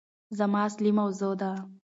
زما اصلي موضوع ده